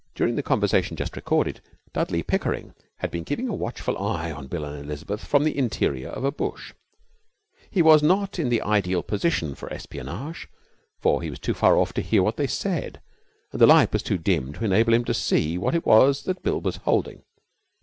During the conversation just recorded Dudley Pickering had been keeping a watchful eye on Bill and Elizabeth from the interior of a bush. His was not the ideal position for espionage, for he was too far off to hear what they said, and the light was too dim to enable him to see what it was that Bill was holding.